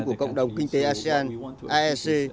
của cộng đồng kinh tế asean aec